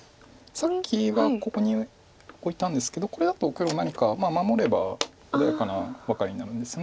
さっきはここにオイたんですけどこれだと黒何か守れば穏やかなワカレになるんです。